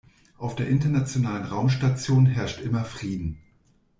Auf der Internationalen Raumstation herrscht immer Frieden.